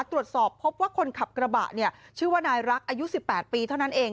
ตรวจสอบพบว่าคนขับกระบะเนี่ยชื่อว่านายรักอายุ๑๘ปีเท่านั้นเอง